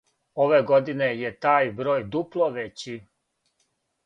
Ове године је тај број дупло већи.